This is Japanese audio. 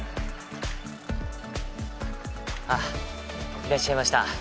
いらっしゃいました。